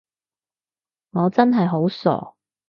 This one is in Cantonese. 我真係好傻